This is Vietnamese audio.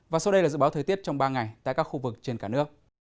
và sau đây là dự báo thời tiết trong ba ngày tại các khu vực trên cả nước